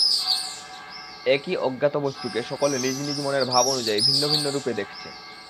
একই অজ্ঞাত বস্তুকে সকলে নিজ নিজ মনের ভাব অনুযায়ী ভিন্ন ভিন্ন রূপে দেখছে।